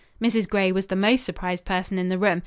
Mrs. Gray was the most surprised person in the room.